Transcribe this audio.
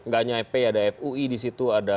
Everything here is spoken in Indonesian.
enggak hanya fpi ada fui disitu